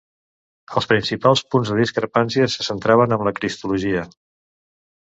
Els principals punts de discrepància se centraven en la cristologia.